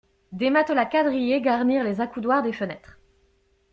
Des matelas quadrillés garnirent les accoudoirs des fenêtres.